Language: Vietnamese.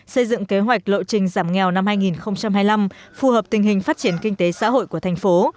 xây dựng kế hoạch lộ trình giảm nghèo năm hai nghìn hai mươi năm phù hợp tình hình phát triển kinh tế xã hội của thành phố